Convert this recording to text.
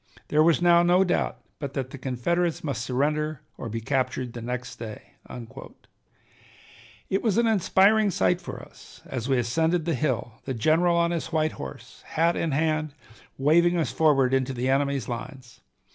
There was now no doubt but that the Confederates must surrender or be captured the next day." It was an inspiring sight for us, as we ascended the hill, the general on his white horse, hat in hand, waving us forward into the enemy's lines.